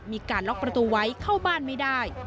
มีการล็อกประตูไว้เข้าบ้านไม่ได้